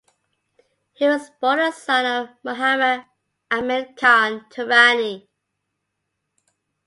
He was born the son of Muhammad Amin Khan Turani.